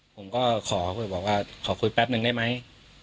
ผมก็ขอคุยแป๊บหนึ่งได้ไหม